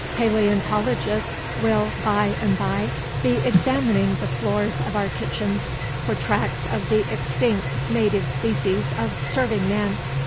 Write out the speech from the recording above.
Paleontologists will by and by be examining the floors of our kitchens for tracks of the extinct native species of serving man.